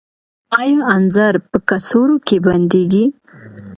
آیا انځر په کڅوړو کې بندیږي؟